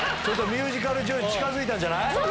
ちょっとミュージカル女優近づいたんじゃない？